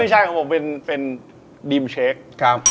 หรือรถไหม